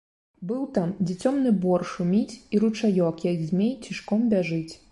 Быў там, дзе цёмны бор шуміць і ручаёк, як змей, цішком бяжыць.